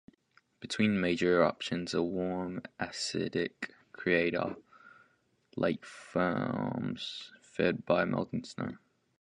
Between major eruptions, a warm acidic crater lake forms, fed by melting snow.